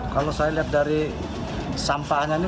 kalau saya lihat dari sampahnya ini